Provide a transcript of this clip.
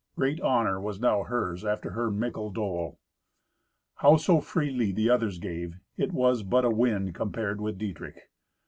Great honour was now hers after her mickle dole. Howso freely the others gave, it was but a wind compared with Dietrich.